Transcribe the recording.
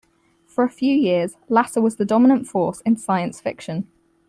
For a few years, Lasser was the dominant force in science fiction.